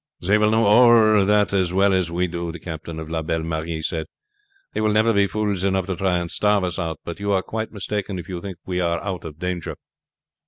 "They will know all that as well as we do," the captain of La Belle Marie said. "They will never be fools enough to try and starve us out, but you are quite mistaken if you think we are out of danger."